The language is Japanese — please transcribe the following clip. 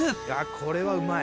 これはうまい！